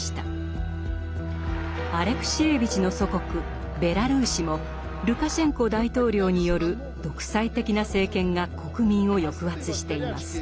アレクシエーヴィチの祖国ベラルーシもルカシェンコ大統領による独裁的な政権が国民を抑圧しています。